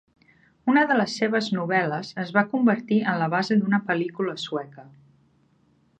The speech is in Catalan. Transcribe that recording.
Una de les seves novel·les es va convertir en la base d'una pel·lícula sueca.